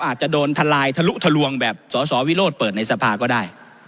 อาจจะโดนทลายทะลุทะลวงแบบสสวิโรธเปิดในสภาก็ได้